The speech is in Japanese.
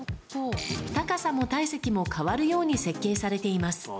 高さも体積も変わるように設計されています。